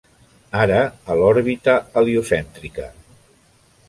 Ara a l'òrbita heliocèntrica.